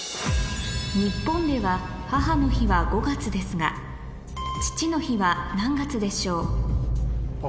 日本では母の日は５月ですが父の日は何月でしょう？